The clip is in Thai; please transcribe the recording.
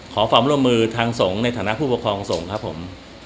ขอความร่วมมือทางสงฆ์ในฐานะผู้ปกครองสงฆ์ครับผม